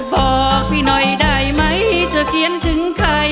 บอกพี่หน่อยได้ไหมเธอเขียนถึงใคร